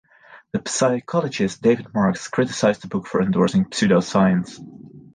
The psychologist David Marks criticized the book for endorsing pseudoscience.